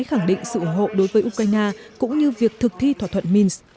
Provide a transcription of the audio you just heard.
eu đã khẳng định sự ủng hộ đối với ukraine cũng như việc thực thi thỏa thuận minsk